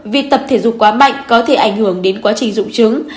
vì tập thể dục quá mạnh có thể ảnh hưởng đến quá trình dụng chứng